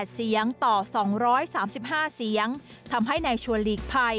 เสียงต่อ๒๓๕เสียงทำให้ในชวนหลีกภัย